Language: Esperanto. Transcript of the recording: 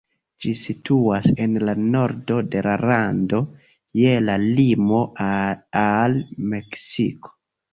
Ĝi situas en la nordo de la lando, je la limo al Meksiko.